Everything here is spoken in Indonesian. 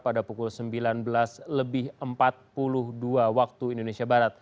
pada pukul sembilan belas empat puluh dua wib